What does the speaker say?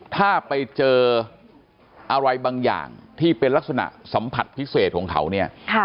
ถ้าไปเจออะไรบางอย่างที่เป็นลักษณะสัมผัสพิเศษของเขาเนี่ย